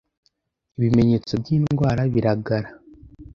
ibimenyetso byiyi ndwara biragara